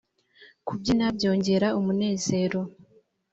kubyina byongera umunezero.